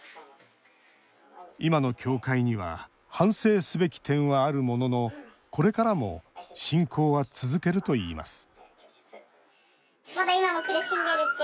今の教会には反省すべき点はあるもののこれからも信仰は続けるといいます